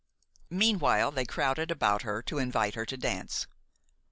Meanwhile they crowded about her to invite her to dance.